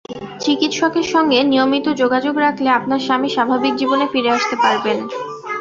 চিকিৎসকের সঙ্গে নিয়মিত যোগাযোগ রাখলে আপনার স্বামী স্বাভাবিক জীবনে ফিরে আসতে পারবেন।